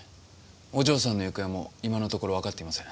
お嬢さんの行方も今のところわかっていません。